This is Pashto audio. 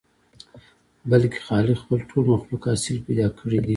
بلکې خالق خپل ټول مخلوق اصيل پيدا کړي دي.